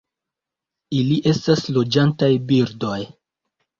Ili estas loĝantaj birdoj.